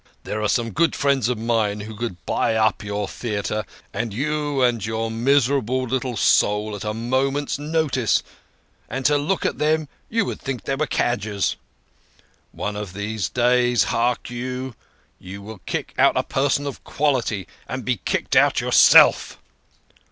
There are some good friends of mine who could buy up your theatre and you and your miserable little soul at a moment's notice, and to look at them you would think they were cadgers. One of these days hark you ! you will kick out a person of quality, and be kicked out yourself."